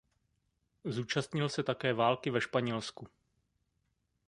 Zúčastnil se také války ve Španělsku.